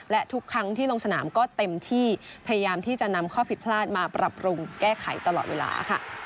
และทุกครั้งที่ลงสนามก็เต็มที่พยายามที่จะนำข้อผิดพลาดมาปรับปรุงแก้ไขตลอดเวลาค่ะ